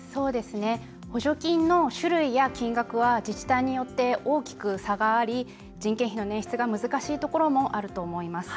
補助金の種類や金額は自治体によって、大きく差があり人件費の捻出が難しいところもあると思います。